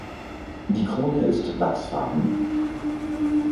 Die Krone ist lachsfarben.